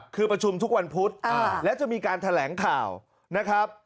คือประชุมทุกวันพุธและจะมีการแถลงข่าวนะครับ